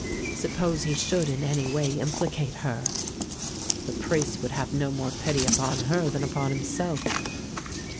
Suppose he should in any way implicate her. The priests would have no more pity upon her than upon himself.